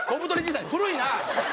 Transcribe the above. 古いな！